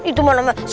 itu mah namanya